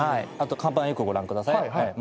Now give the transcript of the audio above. あと看板よくご覧ください。